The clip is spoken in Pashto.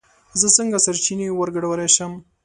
زه څنگه سرچينې ورگډولی شم